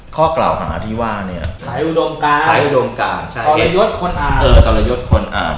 ข้อกล่าวหาที่ว่าขายอุดมการตลยดคนอ่าน